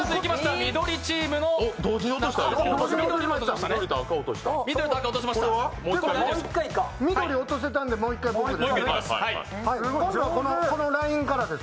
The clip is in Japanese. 緑落とせたのでもう１回僕です。